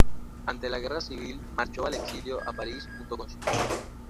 Ante la Guerra Civil marchó al exilio a París junto con su familia.